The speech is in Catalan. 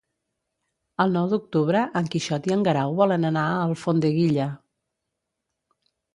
El nou d'octubre en Quixot i en Guerau volen anar a Alfondeguilla.